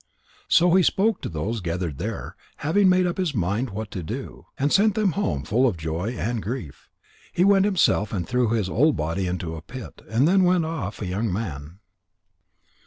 So he spoke to those gathered there, having made up his mind what to do, and sent them home full of joy and grief. He went himself and threw his old body into a pit, and then went off, a young man.